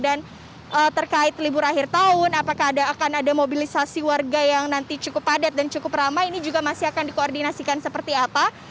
dan terkait libur akhir tahun apakah ada mobilisasi warga yang nanti cukup padat dan cukup ramai ini juga masih akan dikoordinasikan seperti apa